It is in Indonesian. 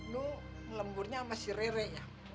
lo lemburnya sama si rere ya